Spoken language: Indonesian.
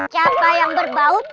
siapa yang berbaut